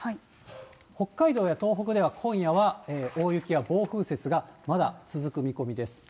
北海道や東北では今夜は大雪や暴風雪がまだ続く見込みです。